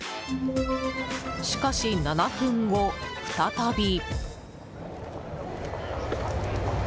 しかし７分後、再び。